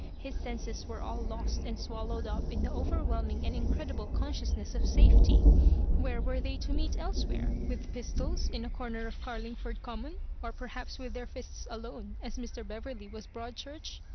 His senses were 'all lost and swallowed up in the overwhelming and incredible consciousness of safety. Where were they to meet elsewhere ? With pistols in a comer of Carlingford Common, or perhaps with their fists alone, as Mr. Beverley was Broad Church?